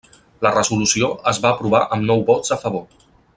La resolució es va aprovar amb nou vots a favor.